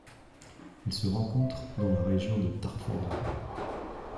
Elle se rencontre dans la région de Tarfaya.